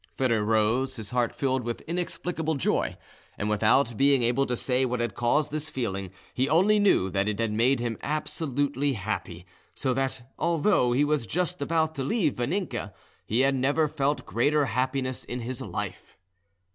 Foedor rose, his heart filled with inexplicable joy, and without being able to say what had caused this feeling, he only knew that it had made him absolutely happy, so that, although he was just about to leave Vaninka, he had never felt greater happiness in his life.